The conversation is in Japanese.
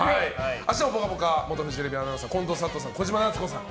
明日「ぽかぽか」元フジテレビアナウンサーの近藤サトさん、小島奈津子さん